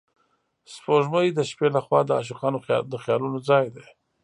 سپوږمۍ د شپې له خوا د عاشقانو د خیالونو ځای دی